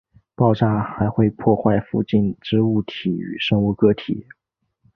爆炸还会破坏附近之物体与生物个体。